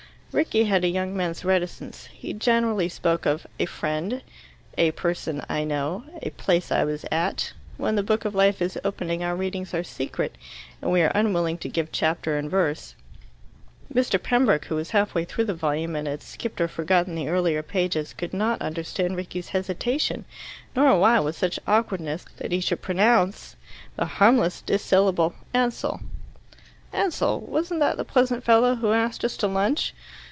Rickie had a young man's reticence. He generally spoke of "a friend," "a person I know," "a place I was at." When the book of life is opening, our readings are secret, and we are unwilling to give chapter and verse. Mr. Pembroke, who was half way through the volume, and had skipped or forgotten the earlier pages, could not understand Rickie's hesitation, nor why with such awkwardness he should pronounce the harmless dissyllable "Ansell." "Ansell? Wasn't that the pleasant fellow who asked us to lunch?"